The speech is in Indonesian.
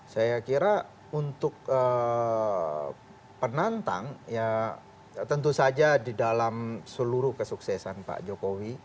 saya kira untuk penantang ya tentu saja di dalam seluruh kesuksesan pak jokowi